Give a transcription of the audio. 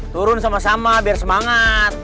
turun sama sama biar semangat